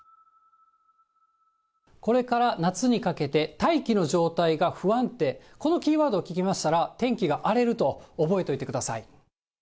これから夏にかけて、大気の状態が不安定、このキーワードを聞きましたら、天気が荒れると覚えといてください。